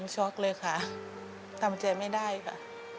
ช็อกเลยค่ะทำใจไม่ได้ค่ะ